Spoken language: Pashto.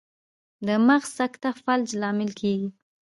د مغز سکته فلج لامل کیږي